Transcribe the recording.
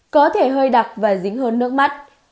có thể hơi đặc và dính hơn nước mắt